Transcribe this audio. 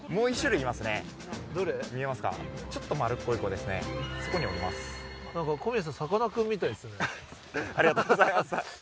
ありがとうございます。